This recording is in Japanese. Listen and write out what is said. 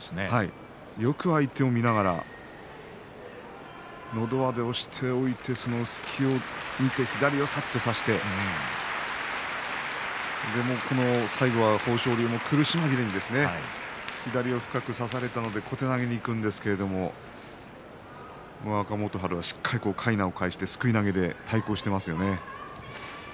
よく相手を見ながらのど輪で押しておいてその隙を見て左を差して最後は豊昇龍を苦し紛れに左を深く差されたので小手投げにいくんですが若元春はかいなを返してすくい投げで対抗していますね。